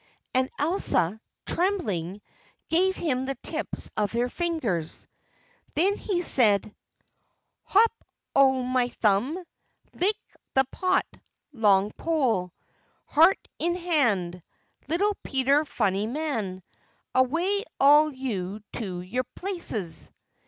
And Elsa, trembling, gave him the tips of her fingers. Then he said: "_Hop o' My Thumb, Lick the Pot, Long Pole, Heart in Hand, Little Peter Funny Man, Away all of you to your places!